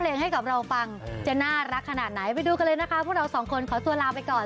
มีมาให้ติดตามกันแบบนี้ขอบคุณ